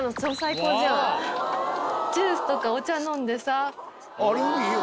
ジュースとかお茶飲んでさ。